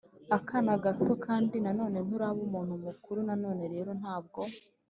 akana gato kandi nanone nturaba umuntu mukuru None rero ntabwo